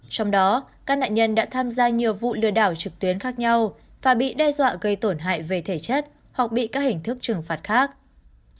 trong đó các nạn nhân đã tham gia nhiều vụ lừa đảo trực tuyến khác nhau và bị đe dọa gây tổn hại về thể chất hoặc bị các hình thức trừng phạt khác